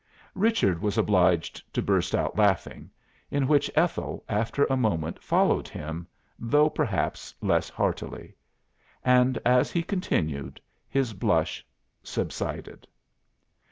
Richard was obliged to burst out laughing, in which Ethel, after a moment, followed him, though perhaps less heartily. And as he continued, his blush subsided.